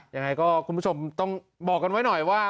ยังไงก็คุณผู้ชมต้องบอกกันไว้หน่อยว่า